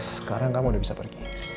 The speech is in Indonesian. sekarang kamu udah bisa pergi